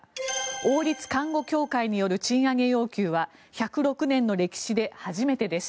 王立看護協会による賃上げ要求は１０６年の歴史で初めてです。